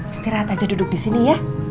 istirahat aja duduk di sini ya